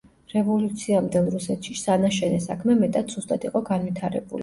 რევოლუციამდელ რუსეთში სანაშენე საქმე მეტად სუსტად იყო განვითარებული.